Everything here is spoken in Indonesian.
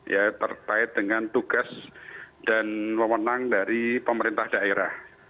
ya terkait dengan tugas dan mewenang dari pemerintah daerah